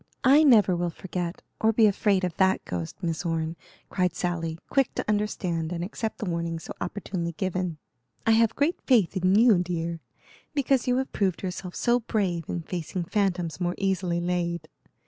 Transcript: "I never will forget, or be afraid of that ghost, Miss Orne," cried Sally, quick to understand and accept the warning so opportunely given. "I have great faith in you, dear, because you have proved yourself so brave in facing phantoms more easily laid.